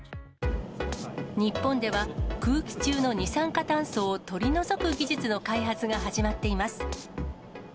日本では空気中の二酸化炭素を取り除く技術の開発が始まっています。